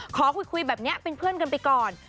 ขอคุยแบบนี้เป็นเพื่อนกันไปก่อน